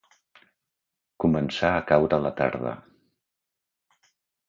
Començar a caure la tarda.